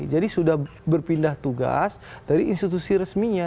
jadi sudah berpindah tugas dari institusi resminya